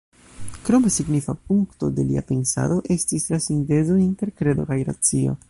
Kroma signifa punkto de lia pensado estis la sintezo inter kredo kaj racio.